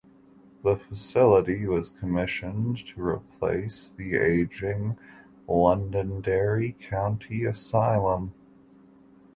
The facility was commissioned to replace the aging Londonderry County Asylum.